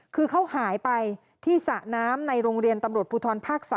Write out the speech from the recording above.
คือเขาหายไปที่สระน้ำในโรงเรียนตำรวจภูทรภาค๓